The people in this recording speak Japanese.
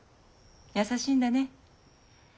優しいんだね。